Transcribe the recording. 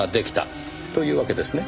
というわけですね？